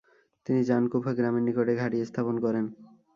তিনি জানকুফা গ্রামের নিকটে ঘাটি স্থাপন করেন।